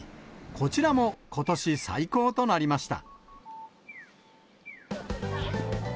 こちらもことし最高となりました。